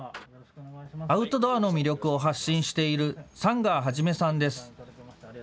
アウトドアの魅力を発信している寒川一さんです。